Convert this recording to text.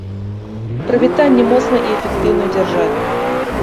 Прывітанне моцнай і эфектыўнай дзяржаве!